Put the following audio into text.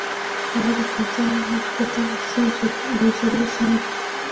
هغه د کردانو د اوسیدلو سیمه ده.